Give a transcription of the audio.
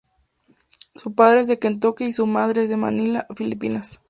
Su padre es de Kentucky y su madre es de Manila, Filipinas.